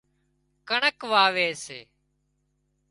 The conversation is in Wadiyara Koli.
ڪڻڪ واوي سي